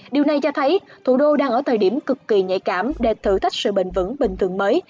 điều này cho thấy thủ đô đang ở thời điểm cực kỳ nhạy cảm để thử thách sự bình vững bình thường mới